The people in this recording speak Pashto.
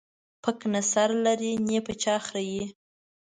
پک نه سر لري ، نې په چا خريي.